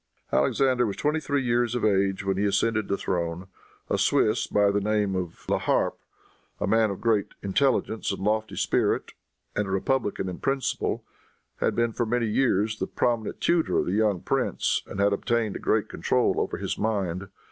Alexander was twenty three years of age when he ascended the throne. A Swiss, by the name of Laharpe, a man of great intelligence and lofty spirit, and a republican in principle, had been for many years the prominent tutor of the young prince, and had obtained a great control over his mind.